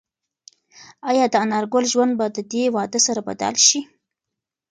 ایا د انارګل ژوند به د دې واده سره بدل شي؟